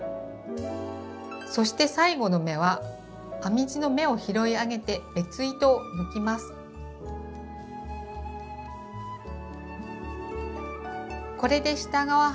そして最後の目は編み地の目を拾い上げて別糸を抜きます。